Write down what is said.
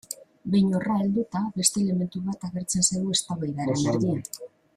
Behin horra helduta, beste elementu bat agertzen zaigu eztabaidaren erdian.